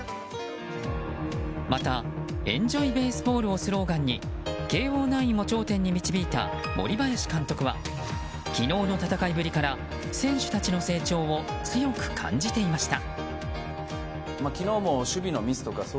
またエンジョイ・ベースボールをスローガンに慶応ナインを頂点に導いた森林監督は昨日の戦いぶりから選手たちの成長を強く感じていました。